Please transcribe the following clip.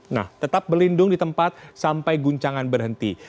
nah tetap berlindung di tempat sampai guncangan berhenti